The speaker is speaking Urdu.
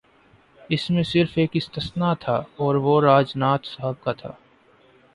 اس میں صرف ایک استثنا تھا اور وہ راج ناتھ صاحب کا تھا۔